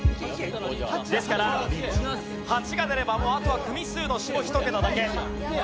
ですから８が出ればもうあとは組数の下一桁だけ。